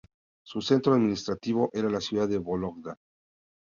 Su centro administrativo era la ciudad de Vólogda.